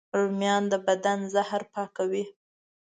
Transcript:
رومیان د بدن زهر پاکوي